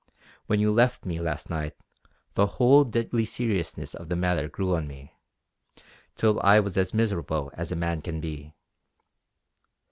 When you left me last night, the whole deadly seriousness of the matter grew on me, till I was as miserable as a man can be."